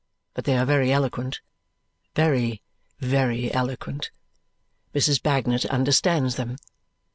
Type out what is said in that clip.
But they are very eloquent, very, very eloquent. Mrs. Bagnet understands them.